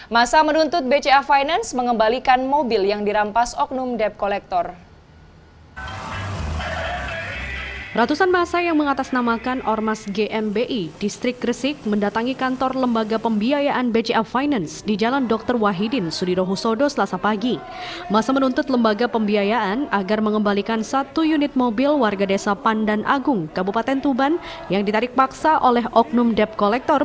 masa menuntut bca finance mengembalikan mobil yang dirampas oknum dep kolektor